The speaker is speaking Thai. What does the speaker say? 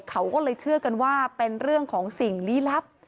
เขาก็เลยเชื่อกันว่าเป็นเรื่องของสิ่งลี้ลับ